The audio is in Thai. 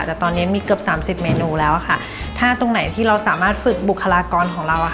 แต่ตอนนี้มีเกือบสามสิบเมนูแล้วอะค่ะถ้าตรงไหนที่เราสามารถฝึกบุคลากรของเราอ่ะค่ะ